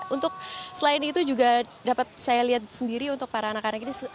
untuk selain itu juga dapat saya lihat sendiri untuk para anak anak ini